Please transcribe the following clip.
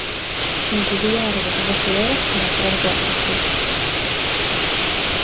Debía arder doce horas para traer boa sorte.